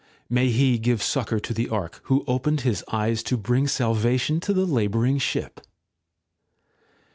May He give succour to the Ark, who opened his eyes to bring salvation to the labouring ship